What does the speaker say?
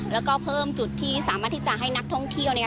แล้วก็เพิ่มจุดที่สามารถที่จะให้นักท่องเที่ยว